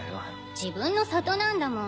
自分の里なんだもん